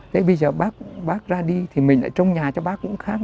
thế bây giờ bác ra đi thì mình ở trong nhà cháu bác cũng khác nào